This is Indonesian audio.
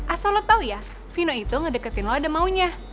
asal lo tau ya vino itu ngedeketin lo ada maunya